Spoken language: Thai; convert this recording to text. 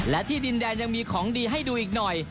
และที่ดินแดนยังมีของดีให้ดูอีกหน่อย